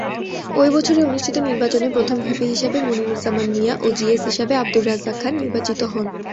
ঐ বছরই অনুষ্ঠিত নির্বাচনে প্রথম ভিপি হিসেবে মনিরুজ্জামান মিয়া ও জিএস হিসেবে আব্দুর রাজ্জাক খান নির্বাচিত হন।